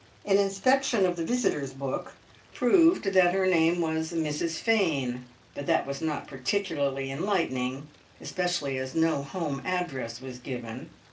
An inspection of the visitors' book proved that her name was "Mrs Fane," but that was not particularly enlightening, especially as no home address was given.